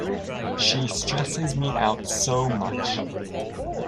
She stresses me out so much!